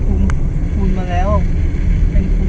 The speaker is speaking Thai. คุณผู้ชายเล่าจริงว่า